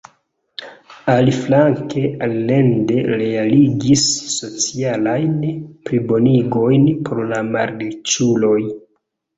Aliflanke Allende realigis socialajn plibonigojn por la malriĉuloj.